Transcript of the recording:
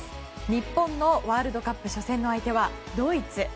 日本のワールドカップ初戦の相手はドイツ。